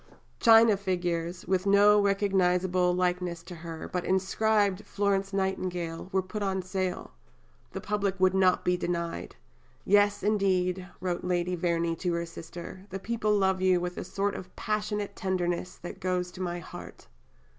China figures, with no recognizable likeness to her, but inscribed "Florence Nightingale," were put on sale. The public would not be denied. "Yes, indeed," wrote Lady Verney to her sister, "the people love you with a sort of passionate tenderness that goes to my heart."